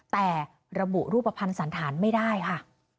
แต่ระบุรูปภัณฑ์สันธารไม่ได้ค่ะ